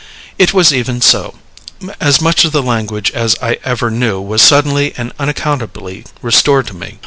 It was even so: as much of the language as I ever knew was suddenly and unaccountably restored to me.